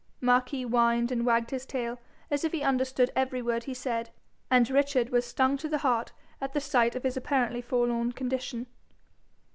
Marquis whined and wagged his tail as if he understood every word he said, and Richard was stung to the heart at the sight of his apparently forlorn condition.